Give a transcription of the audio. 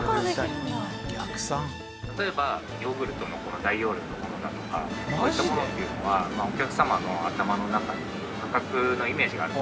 例えばヨーグルトのこの大容量のものだとかこういったものっていうのはお客様の頭の中に価格のイメージがあるんですよね。